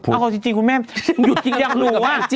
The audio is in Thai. เอาคือจริงคุณแม่อยู่ที่กินอย่างหลุง